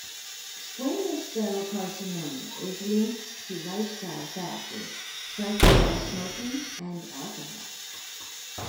Squamous-cell carcinoma is linked to lifestyle factors such as smoking and alcohol.